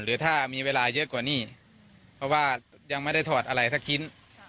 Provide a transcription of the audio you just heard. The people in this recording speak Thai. หรือถ้ามีเวลาเยอะกว่านี้เพราะว่ายังไม่ได้ถอดอะไรสักชิ้น